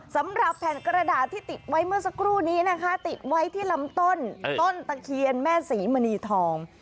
สำหรับแผ่นกระดาษที่ติดไว้เมื่อสักครู่นี้นะคะติดไว้ที่ลำต้นต้นตะเคียนแม่ศรีมณีทอง